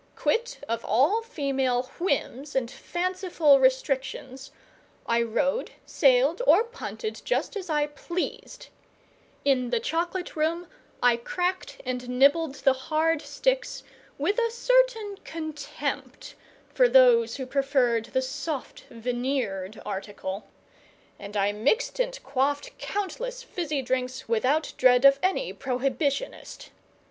Quit of all female whims and fanciful restrictions, I rowed, sailed, or punted, just as I pleased; in the Chocolate room I cracked and nibbled the hard sticks, with a certain contempt for those who preferred the soft, veneered article; and I mixed and quaffed countless fizzy drinks without dread of any prohibitionist.